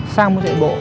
sang một môn thể bộ